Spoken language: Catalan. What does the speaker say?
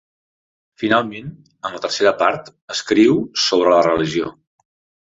Finalment, en la tercera part, escriu sobre la religió.